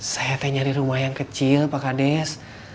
saya teh nyari rumah yang kecil pak kandes